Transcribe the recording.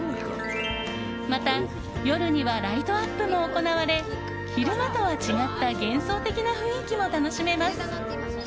また、夜にはライトアップも行われ昼間とは違った幻想的な雰囲気も楽しめます。